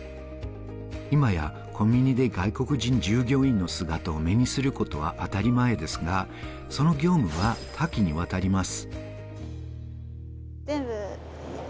今やコンビニで外国人従業員の姿を目にすることは当たり前ですが、その業務は多岐にわたります。